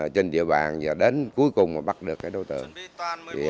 trên địa bàn và đến cuối cùng mà bắt được cái đối tượng